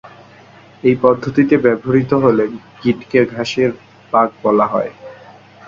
এই পদ্ধতিতে ব্যবহৃত হলে গিঁটকে ঘাসের বাঁক বলা হয়।